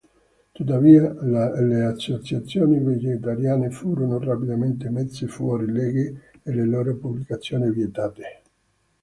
Tuttavia, le associazioni vegetariane furono rapidamente messe fuori legge e le loro pubblicazioni vietate.